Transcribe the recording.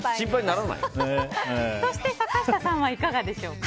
坂下さんはいかがでしょうか？